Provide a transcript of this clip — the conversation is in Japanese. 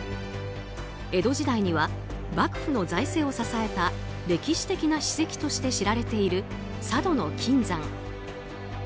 江戸時代には幕府の財政を支えた歴史的な史跡として知られている佐渡島の金山。